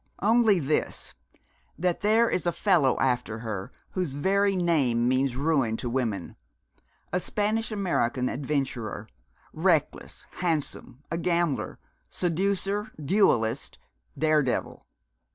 'Only this, that there is a fellow after her whose very name means ruin to women a Spanish American adventurer reckless, handsome, a gambler, seducer, duellist, dare devil.